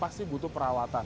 pasti butuh perawatan